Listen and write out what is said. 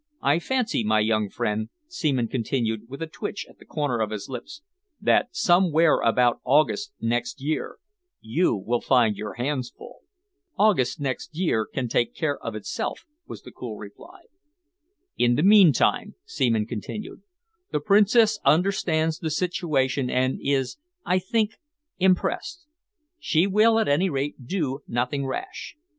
I fancy, my young friend," Seaman continued, with a twitch at the corner of his lips, "that somewhere about August next year you will find your hands full." "August next year can take care of itself," was the cool reply. "In the meantime," Seaman continued, "the Princess understands the situation and is, I think, impressed. She will at any rate do nothing rash.